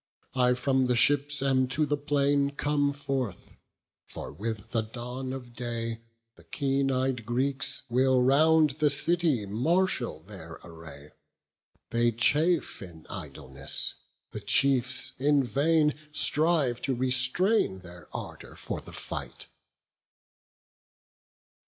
I from the ships am to the plain come forth; For with the dawn of day the keen ey'd Greeks Will round the city marshal their array. They chafe in idleness; the chiefs in vain Strive to restrain their ardour for the fight."